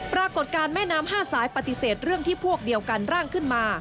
ปรากฏการณ์แม่น้ำ๕สายปฏิเสธเรื่องที่พวกเดียวกันร่างขึ้นมา